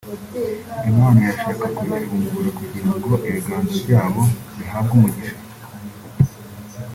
Imana irashaka kubifungura kugira ngo ibiganza byabo bihabwe umugisha